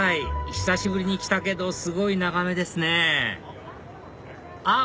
久しぶりに来たけどすごい眺めですねあっ